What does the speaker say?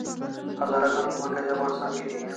هزاره ګان په مرکزي افغانستان کې دي؟